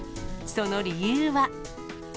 その理由は。